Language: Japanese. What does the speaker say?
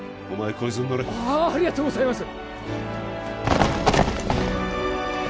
こいつに乗れああありがとうございます